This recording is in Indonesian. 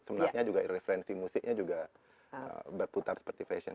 sebenarnya juga referensi musiknya juga berputar seperti fashion